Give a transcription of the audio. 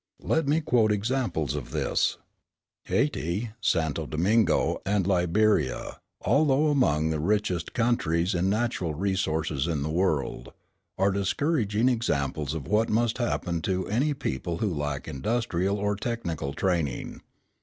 Let me quote examples of this. Hayti, Santo Domingo, and Liberia, although among the richest countries in natural resources in the world, are discouraging examples of what must happen to any people who lack industrial or technical training.